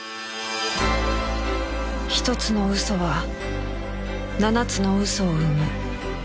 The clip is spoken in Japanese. １つの嘘は７つの嘘を生む